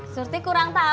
surti kurang tau pak haji